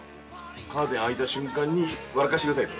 ◆カーテンがあいた瞬間に笑わかせてくださいと。